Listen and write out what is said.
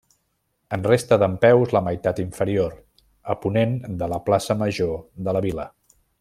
En resta dempeus la meitat inferior, a ponent de la Plaça Major de la vila.